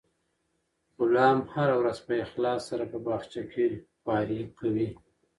غلام هره ورځ په اخلاص سره په باغچه کې خوارۍ کوي.